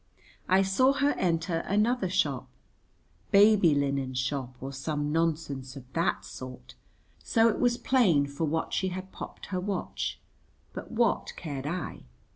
I saw her enter another shop, baby linen shop or some nonsense of that sort, so it was plain for what she had popped her watch; but what cared I?